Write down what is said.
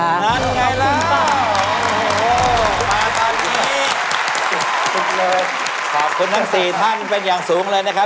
นั่นไงล่ะโอ้โหมาตอนนี้ขอบคุณทั้งสี่ท่านเป็นอย่างสูงเลยนะครับ